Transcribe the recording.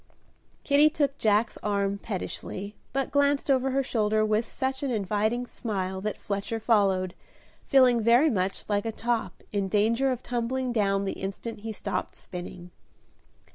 Kitty took Jack's arm pettishly, but glanced over her shoulder with such an inviting smile that Fletcher followed, feeling very much like a top, in danger of tumbling down the instant he stopped spinning.